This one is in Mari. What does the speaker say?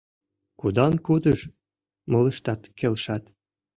— Кудан-кудыш! — молыштат келшат.